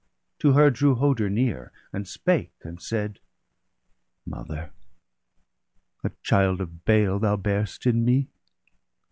To her drew Hoder near, and spake, and said :—* Mother, a child of bale thou bar'st in me